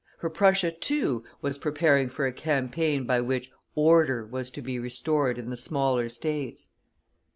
For Prussia, too, was preparing for a campaign by which "order" was to be restored in the smaller States.